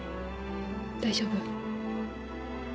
大丈夫？